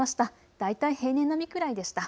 だいたい平年並みくらいでした。